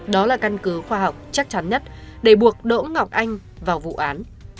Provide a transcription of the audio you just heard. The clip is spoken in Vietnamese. đó là căn cứ khoa học chắc chắn nhất để buộc đỗ ngọc anh vào vụ án